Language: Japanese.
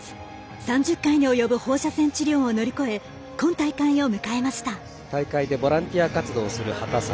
３０回に及ぶ放射線治療を乗り越え今大会を迎えました。